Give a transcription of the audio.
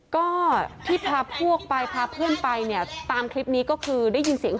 ก็ที่พาพวกไปพาเพื่อนไปเนี่ยตามคลิปนี้ก็คือได้ยินเสียง